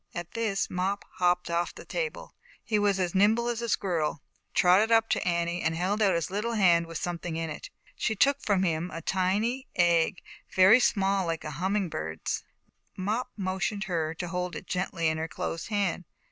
At this, Mop hopped off the table, he was as nimble as a squirrel, trotted up to An nie, and held out his little hand with something in it. She took from him a tiny egg, very small like a humming bird's. Mop motioned her to hold it gently in her closed hand.